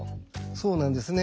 そうなんですね。